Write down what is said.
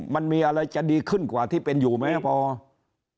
มันมีอะไรจะดีขึ้นกว่าที่เป็นอยู่ไหมครับพอ